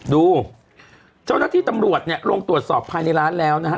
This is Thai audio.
ดูเจ้าหน้าที่ตำรวจเนี่ยลงตรวจสอบภายในร้านแล้วนะฮะ